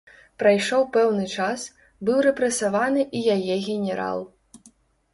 Прайшоў пэўны час, быў рэпрэсаваны і яе генерал.